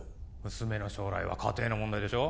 娘の将来は家庭の問題でしょう